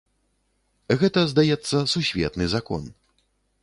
Гэта, здаецца, сусветны закон.